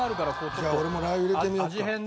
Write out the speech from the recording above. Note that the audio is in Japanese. じゃあ俺もラー油入れてみようか。